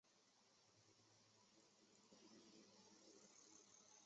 邓韦根城堡是一座位于苏格兰西海岸斯凯岛邓韦根的一座城堡。